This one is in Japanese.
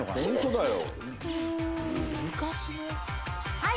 「はい。